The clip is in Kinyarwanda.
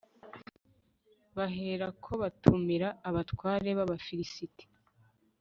baherako batumira abatware b'abafilisiti